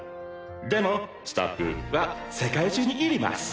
でもスタッフは世界中にいります。